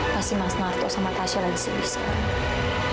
pasti mas narto sama tasha lagi sedih sekali